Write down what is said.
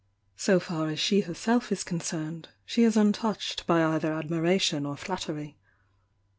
So far as she her self is concerned, she is untouched by either admira tion or flattery.